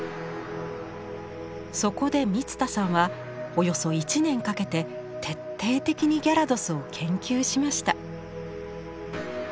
そこで満田さんはおよそ１年かけて徹底的にギャラドスを研究しました。